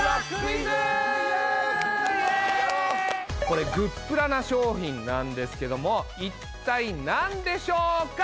これグップラな商品なんですけども一体何でしょうか？